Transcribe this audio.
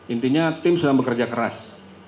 intinya tim sudah bekerja keras